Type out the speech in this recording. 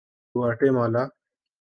گواٹے مالا